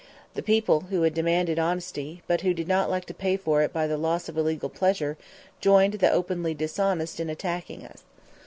The people who had demanded honesty, but who did not like to pay for it by the loss of illegal pleasure, joined the openly dishonest in attacking us.